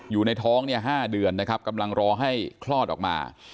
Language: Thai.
อยู่ในท้องเนี่ย๕เดือนนะครับกำลังรอให้คลอดออกมา